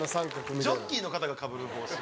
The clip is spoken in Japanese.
ジョッキーの方がかぶる帽子。